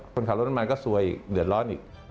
คนขับรถน้ำมันก็ซวยเดือดร้อนอีก